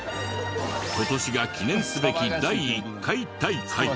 今年が記念すべき第１回大会。